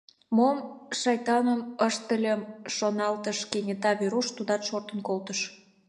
«Мом шайтаным ыштыльым», — шоналтыш кенета Веруш, тудат шортын колтыш.